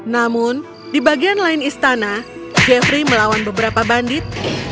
namun di bagian lain istana jeffrey melawan beberapa bandit